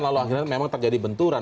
lalu akhirnya terjadi benturan